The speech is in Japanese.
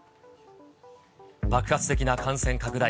爆発的な感染拡大。